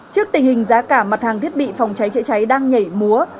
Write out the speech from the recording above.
trước tình hình giá cả mặt hàng thiết bị phòng cháy chữa cháy đang nhảy múa